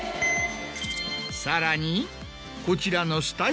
さらにこちらの。